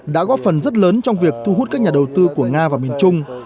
đã góp phần rất lớn trong việc thu hút các nhà đầu tư của nga và miền trung